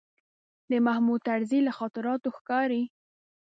د محمود طرزي له خاطراتو ښکاري.